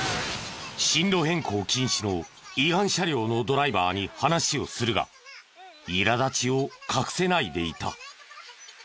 進路変更禁止の違反車両のドライバーに話をするがいら立ちを隠せないでいた。